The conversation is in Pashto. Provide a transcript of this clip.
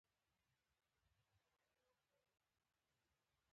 علي ډېری وخت په غوسه کې روض غږوي.